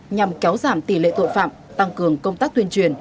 nhằm kéo giảm tỷ lệ tội phạm tăng cường công tác tuyên truyền